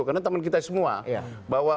karena teman kita semua bahwa